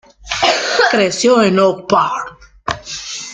Creció en Oak Park.